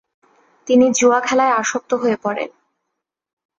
তিনি জুয়া খেলায় আসক্ত হয়ে পড়েন।